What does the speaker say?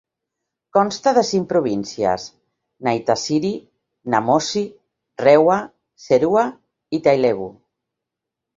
Consta de cinc províncies: Naitasiri, Namosi, Rewa, Serua i Tailevu.